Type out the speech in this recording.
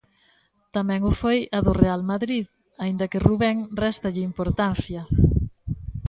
Tamén o foi a do Real Madrid aínda que Rubén réstalle importancia.